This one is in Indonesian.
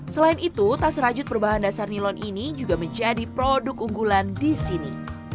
selain itu tas rajut berbahan dasar nilon ini juga menjadi produk unggulan di sini